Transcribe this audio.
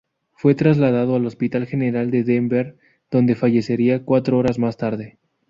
Fue trasladado al Hospital General de Denver, donde fallecería cuatro horas más tarde.